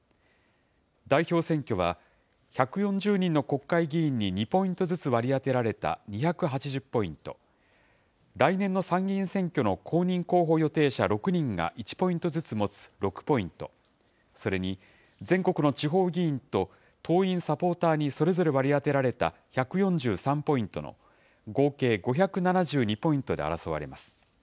代表選挙は１４０人の国会議員に２ポイントずつ割り当てられた２８０ポイント、来年の参議院選挙の公認候補予定者６人が１ポイントずつ持つ６ポイント、それに全国の地方議員と、党員・サポーターにそれぞれ割り当てられた１４３ポイントの合計５７２ポイントで争われます。